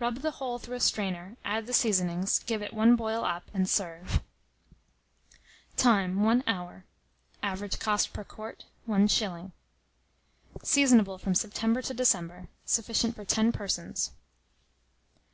Rub the whole through a strainer, add the seasoning, give it one boil up, and serve. Time. 1 hour. Average cost per quart, 1s. Seasonable from September to December. Sufficient for 10 persons.